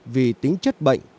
vì tính chất bệnh